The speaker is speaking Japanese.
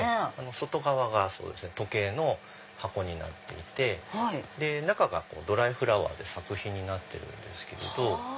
外側が時計の箱になっていて中がドライフラワーで作品になってるんですけれど。